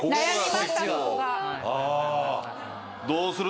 どうする？